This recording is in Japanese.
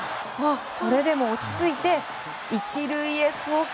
それでも落ち着いて１塁へ送球。